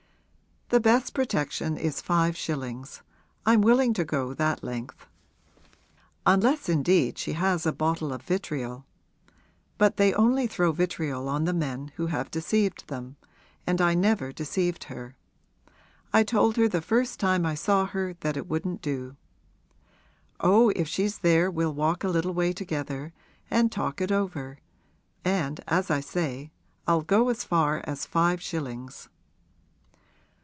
'The best protection is five shillings I'm willing to go that length. Unless indeed she has a bottle of vitriol. But they only throw vitriol on the men who have deceived them, and I never deceived her I told her the first time I saw her that it wouldn't do. Oh, if she's there we'll walk a little way together and talk it over and, as I say, I'll go as far as five shillings.'